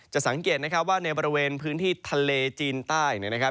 สังเกตนะครับว่าในบริเวณพื้นที่ทะเลจีนใต้นะครับ